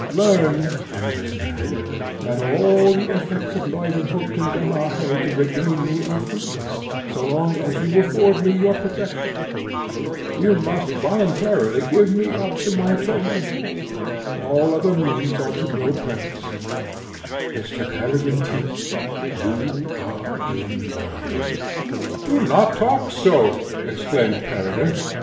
Learn, generous man, that all the efforts of Leuwenhock and Gamaheh to regain me are fruitless, so long as you afford me your protection: you must voluntarily give me up to my tormentors; all other means are to no purpose Mr. Peregine Tyss, you are in love!" "Do not talk so!" exclaimed Peregrine.